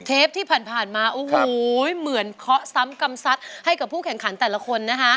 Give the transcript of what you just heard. เทปที่ผ่านมาโอ้โหเหมือนเคาะซ้ำกำซัดให้กับผู้แข่งขันแต่ละคนนะคะ